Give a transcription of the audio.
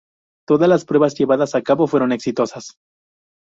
Todas las pruebas llevadas a cabo fueron exitosas.